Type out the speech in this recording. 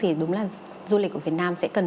thì đúng là du lịch của việt nam sẽ cần